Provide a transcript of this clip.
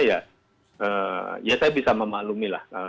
ya saya bisa memaklumi lah